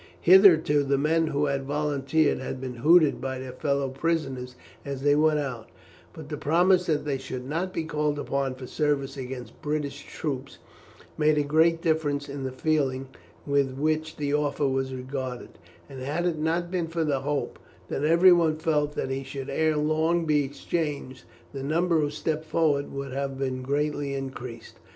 Hitherto the men who had volunteered had been hooted by their fellow prisoners as they went out, but the promise that they should not be called upon for service against British troops made a great difference in the feeling with which the offer was regarded, and had it not been for the hope that everyone felt that he should ere long be exchanged, the number who stepped forward would have been greatly increased.